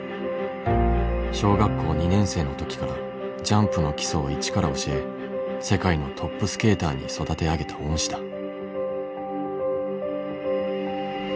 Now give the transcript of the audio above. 小学校２年生の時からジャンプの基礎を一から教え世界のトップスケーターに育て上げた恩師だ。